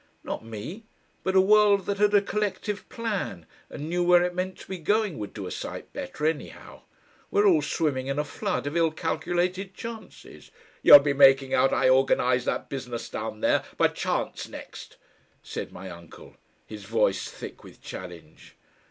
"Not me. But a world that had a collective plan and knew where it meant to be going would do a sight better, anyhow. We're all swimming in a flood of ill calculated chances " "You'll be making out I organised that business down there by chance next," said my uncle, his voice thick with challenge.